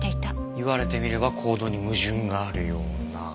言われてみれば行動に矛盾があるような。